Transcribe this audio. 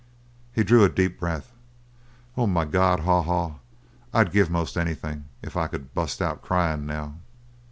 He drew a deep breath. "Oh, my God, Haw Haw, I'd give most anything if I could bust out cryin' now!"